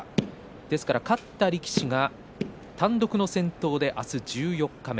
ですから勝った力士が単独の先頭で明日、十四日目。